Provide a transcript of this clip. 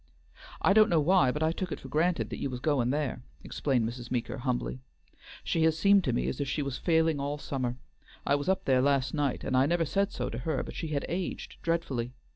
"I don't know why, but I took it for granted that you was goin' there," explained Mrs. Meeker, humbly. "She has seemed to me as if she was failing all summer. I was up there last night, and I never said so to her, but she had aged dreadfully.